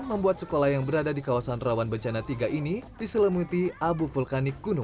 membuat sekolah yang berada di kawasan rawan bencana tiga ini diselemuti abu vulkanik gunung